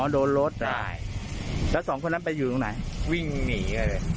โดนรถใช่แล้วสองคนนั้นไปอยู่ตรงไหนวิ่งหนีเลย